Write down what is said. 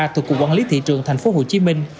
thuộc cục quản lý thị trường thành phố hồ chí minh